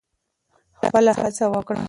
خپله هڅه وکړئ.